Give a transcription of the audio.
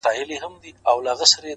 خورې ورې پرتې وي،